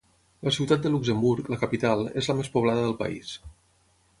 La Ciutat de Luxemburg, la capital, és la més poblada del país.